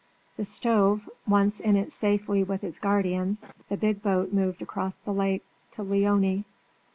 The stove, once in it safely with its guardians, the big boat moved across the lake to Leoni.